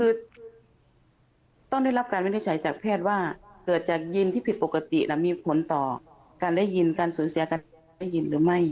คือต้องได้รับการวินิจฉัยจากแพทย์ว่าเกิดจากยินที่ผิดปกติและมีผลต่อการได้ยินการสูญเสียการได้ยินหรือไม่